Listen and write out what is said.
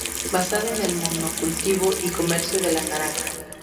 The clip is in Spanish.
Basada en el monocultivo y comercio de la naranja.